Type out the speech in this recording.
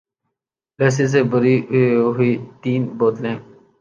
لسی سے بھری ہوئی تین بوتلیں